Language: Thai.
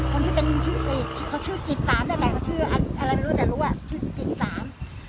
คนที่เป็นที่เขาชื่อกิจสามอะไรเขาชื่ออันอะไรไม่รู้แต่รู้อ่ะชื่อกิจสาม